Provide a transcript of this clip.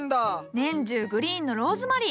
年中グリーンのローズマリー。